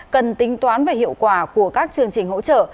cần tính toán về hiệu quả của các chương trình hỗ trợ